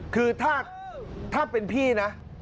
คือถ้าเป็นพี่นะ